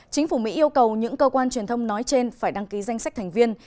chính phủ mỹ yêu cầu những cơ quan truyền thông nói trên phải đăng ký danh sách thành viên